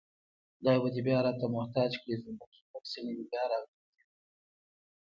خدای به دې بيا راته محتاج کړي زومبک زومبک څڼې مې بيا راغلي دينه